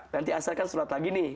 nanti asalkan surat lagi nih